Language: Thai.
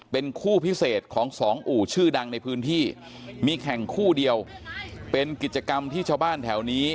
เป็นคู่พิเศษของสองอู่ชื่อดังในพื้นที่มีแข่งคู่เดียวเป็นกิจกรรมที่ชาวบ้านแถวนี้